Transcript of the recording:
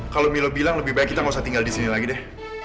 kalau milo bilang lebih baik kita gak usah tinggal di sini lagi deh